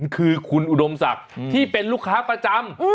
คือคุณอุดมศักดิ์ที่เป็นลูกค้าประจำ